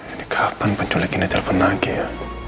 ini kapan penculik ini telpon lagi ya